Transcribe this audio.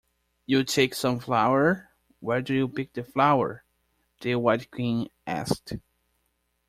‘You take some flour—’ ‘Where do you pick the flower?’ the White Queen asked.